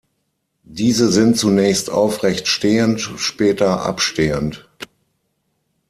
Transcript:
Diese sind zunächst aufrecht stehend, später abstehend.